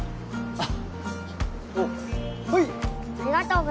あっ。